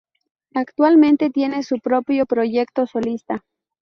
Actualmente tiene su propio proyecto solista.